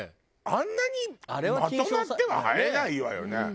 あんなにまとまっては生えないわよね。